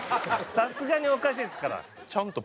さすがにおかしいですから。